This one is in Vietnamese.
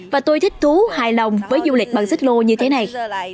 và tôi thích thú hài lòng với du lịch bằng xích lô như thế này